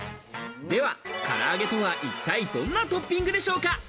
では、カラアゲとは一体どんなトッピングでしょうか？